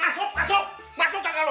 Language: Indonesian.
gak boleh lihat duit lo